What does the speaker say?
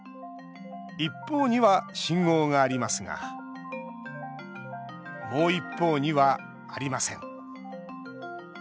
一方には信号がありますがもう一方にはありません。